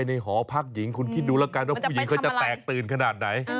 เวลามันโกรธสัยตัวใครตรงคอยกันน้า